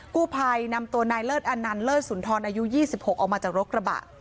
กู้ภัยนำตัวนายเลิศอนันต์เลิศสุนทรอายุ๒๖ออกมาจากรถกระบะ